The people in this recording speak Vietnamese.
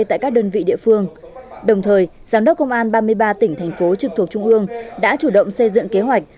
tại các đơn vị địa phương đồng thời giám đốc công an ba mươi ba tỉnh thành phố trực thuộc trung ương đã chủ động xây dựng kế hoạch